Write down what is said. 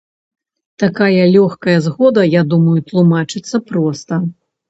Такая лёгкая згода, я думаю, тлумачыцца проста.